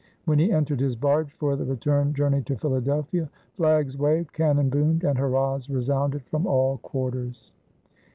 When he entered his barge for the return journey to Philadelphia, flags waved, cannon boomed, and hurrahs resounded from all quarters.